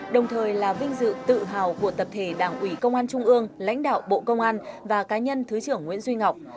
đồng thời là vinh dự tự hào của tập thể đảng ủy công an trung ương lãnh đạo bộ công an và cá nhân thứ trưởng nguyễn duy ngọc